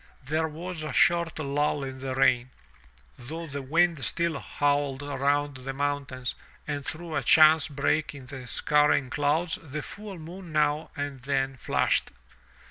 There was a short lull in the rain, though the wind still howled around the mountain, and through a chance break in the scurrying clouds the full moon now and then flashed.